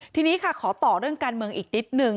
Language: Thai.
ทีนี้ค่ะขอต่อเรื่องการเมืองอีกนิดนึง